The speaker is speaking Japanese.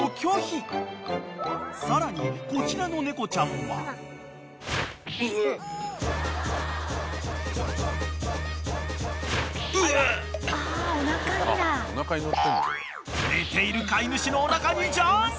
［さらにこちらの猫ちゃんは］［寝ている飼い主のおなかにジャンプ！］